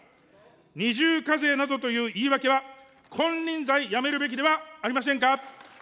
二重課税などという言い訳は、金輪際やめるべきではありませんか。